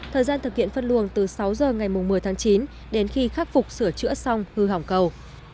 thời gian thực hiện phân luồng từ sáu giờ ngày một mươi tháng chín đến khi khắc phục sửa chữa xong hư hỏng cầu